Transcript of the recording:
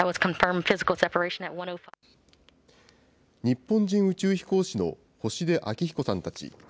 日本人宇宙飛行士の星出彰彦さんたち。